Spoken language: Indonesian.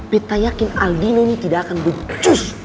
kita yakin aldino ini tidak akan becus